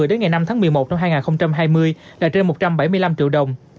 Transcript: đến ngày năm tháng một mươi một năm hai nghìn hai mươi là trên một trăm bảy mươi năm triệu đồng